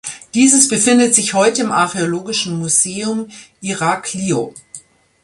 Dieses befindet sich heute im Archäologischen Museum Iraklio.